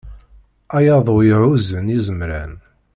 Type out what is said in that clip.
A yaḍu ihuzzen izemran.